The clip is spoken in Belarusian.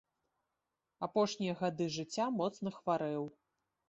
Апошнія гады жыцця моцна хварэў.